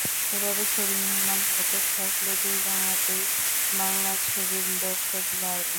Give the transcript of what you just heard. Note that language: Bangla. এভাবে ছবি নির্মাণ হতে থাকলে দুই বাংলাতেই বাংলা ছবির দর্শক বাড়বে।